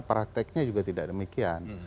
prakteknya juga tidak demikian